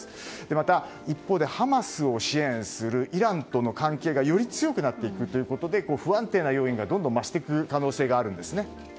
また一方でハマスを支援するイランとの関係がより強くなっていくということで不安定な要因がどんどん増していく可能性があるんですね。